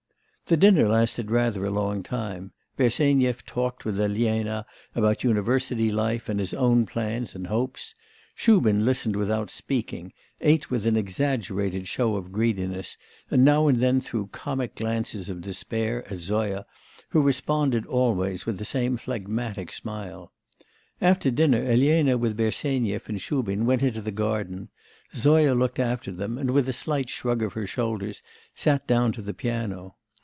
The dinner lasted rather a long time; Bersenyev talked with Elena about university life, and his own plans and hopes; Shubin listened without speaking, ate with an exaggerated show of greediness, and now and then threw comic glances of despair at Zoya, who responded always with the same phlegmatic smile. After dinner, Elena with Bersenyev and Shubin went into the garden; Zoya looked after them, and, with a slight shrug of her shoulders, sat down to the piano.